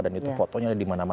dan itu fotonya dimana mana